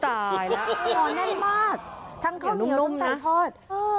กรานแน่นมากทั้งข้าวเหนียวต้นใจทอด